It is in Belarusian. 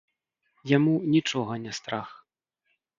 Яму нічога не страх.